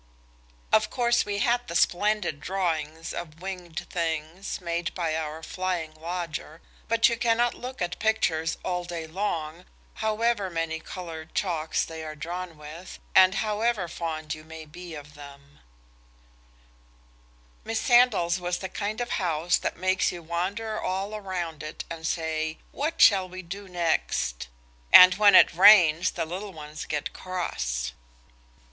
Of course we had the splendid drawings of winged things made by our Flying Lodger, but you cannot look at pictures all day long, however many coloured chalks they are drawn with, and however fond you may be of them. Miss Sandal's was the kind of house that makes you wander all round it and say, "What shall we do next?" And when it rains the little ones get cross.